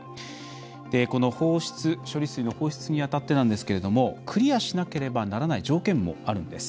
この処理水の放出にあたってなんですけれどもクリアしなければならない条件もあるんです。